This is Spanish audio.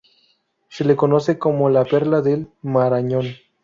Se le conoce como "La perla del Marañón".